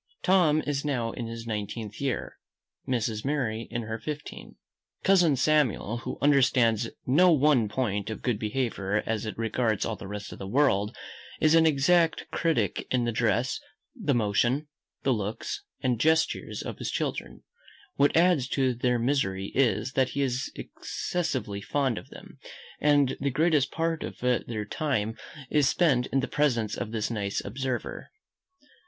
Tom is now in his nineteenth year. Mrs. Mary in her fifteenth. Cousin Samuel, who understands no one point of good behaviour as it regards all the rest of the world, is an exact critic in the dress, the motion, the looks, and gestures, of his children. What adds to their misery is, that he is excessively fond of them, and the greatest part of their time is spent in the presence of this nice observer.